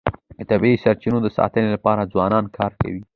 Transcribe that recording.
د طبیعي سرچینو د ساتنې لپاره ځوانان کار کوي.